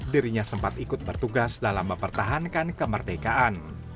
dirinya sempat ikut bertugas dalam mempertahankan kemerdekaan